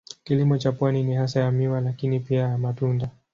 Kilimo cha pwani ni hasa ya miwa lakini pia ya matunda.